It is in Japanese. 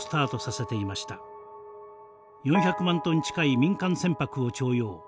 ４００万ｔ近い民間船舶を徴用。